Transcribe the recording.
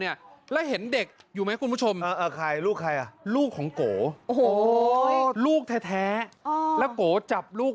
มีบ้านหลังหนึ่งที่ตะบลทองเอกริินอำเภออินบูรีกริิินอำเภออินบูรี